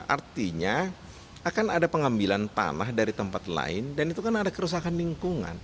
artinya akan ada pengambilan tanah dari tempat lain dan itu kan ada kerusakan lingkungan